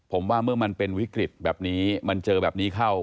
ผมว่าเมื่อมันเป็นวิกฤตแบบนี้มันเจอแบบนี้เข้า